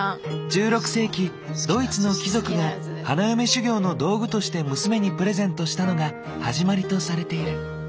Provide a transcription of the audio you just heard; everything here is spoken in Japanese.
１６世紀ドイツの貴族が花嫁修業の道具として娘にプレゼントしたのが始まりとされている。